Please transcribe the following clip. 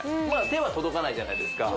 手は届かないじゃないですか